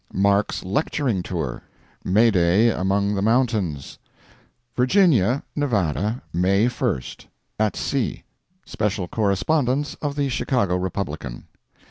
Mark's Lecturing Tour— May Day Among the Mountains. VIRGINIA, Nevada, May 1. AT SEA. Special Correspondence of the Chicago Republican.